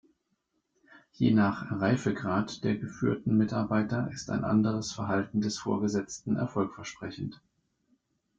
Je nach „Reifegrad“ der geführten Mitarbeiter ist ein anderes Verhalten des Vorgesetzten erfolgversprechend.